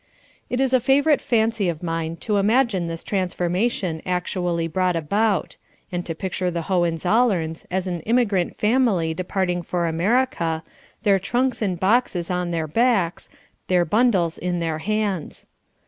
It is a favourite fancy of mine to imagine this transformation actually brought about; and to picture the Hohenzollerns as an immigrant family departing for America, their trunks and boxes on their backs, their bundles in their hands.